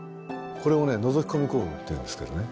これをのぞき込み行動っていうんですけどね。